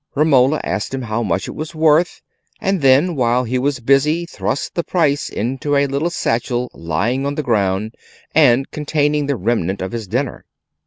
Romola asked him how much it was worth, and then, while he was busy, thrust the price into a little satchel lying on the ground and containing the remnant of his dinner.